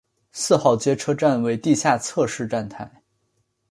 四号街车站为地下侧式站台。